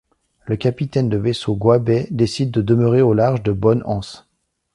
Le capitaine de vaisseau Goybet décide de demeurer au large de Bonne Anse.